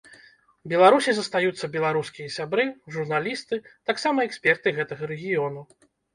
Беларусі застаюцца беларускія сябры, журналісты, таксама эксперты гэтага рэгіёну.